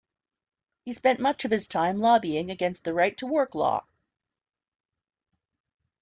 He spent much of his time lobbying against the right-to-work law.